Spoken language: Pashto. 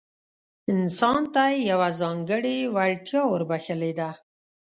انسان ته يې يوه ځانګړې وړتيا وربښلې ده.